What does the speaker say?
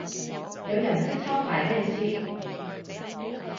有人唔識抄牌咩意思